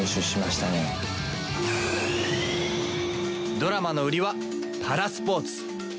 ドラマの売りはパラスポーツ。